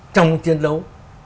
trong chiến đấu